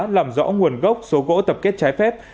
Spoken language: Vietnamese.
làm rõ nguồn gốc số gỗ tập kết trái phép